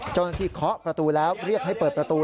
เจ้าหน้าที่เคาะประตูแล้วเรียกให้เปิดประตู